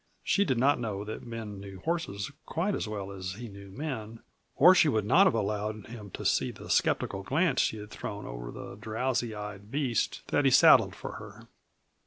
She did not know that Ben knew horses quite as well as he knew men or she would not have allowed him to see the skeptical glance she had thrown over the drowsy eyed beast that he saddled for her.